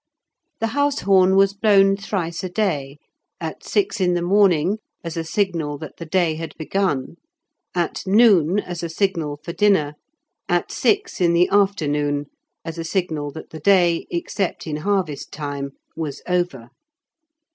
The house horn was blown thrice a day; at six in the morning, as a signal that the day had begun, at noon as a signal for dinner, at six in the afternoon as a signal that the day (except in harvest time) was over.